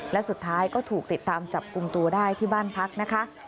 และสุดท้ายก็ถูกติดตามจับกลุ่มตัวได้ที่บ้านพักนะคะ